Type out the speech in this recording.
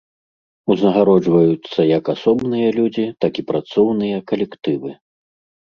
Узнагароджваюцца як асобныя людзі, так і працоўныя калектывы.